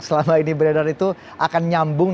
selama ini beredar itu akan nyambung